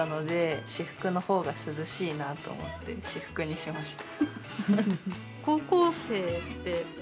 私服にしました。